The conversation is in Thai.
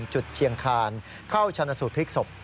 จุดเชียงคานเข้าชนะสูตรพลิกศพ